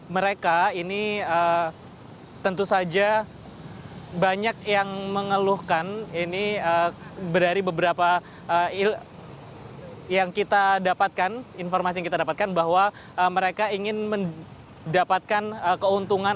mereka ini tentu saja banyak yang mengeluhkan ini dari beberapa yang kita dapatkan informasi yang kita dapatkan bahwa mereka ingin mendapatkan keuntungan